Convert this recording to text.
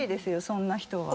そんな人は。